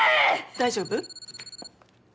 大丈夫？